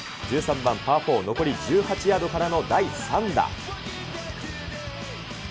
１３番パー４、残り１８ヤードからの第３打。